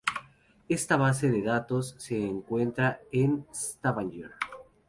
Esta base de datos se encuentra en Stavanger.